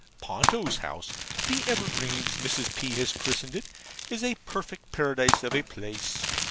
Ponto's house ['The Evergreens' Mrs. P. has christened it) is a perfect Paradise of a place.